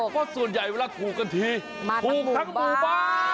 เพราะส่วนใหญ่เวลาถูกกันทีถูกทั้งหมู่บ้าน